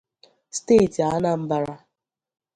steeti Anambra.